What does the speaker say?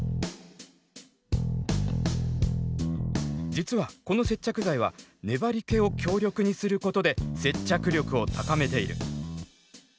実はこの接着剤は粘り気を強力にすることで接着力を高めている。